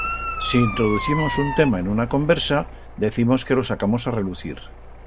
Si introducimos un tema en una conversa, decimos que lo sacamos a relucir.